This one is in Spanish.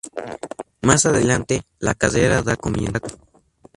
Más adelante, la carrera da comienzo.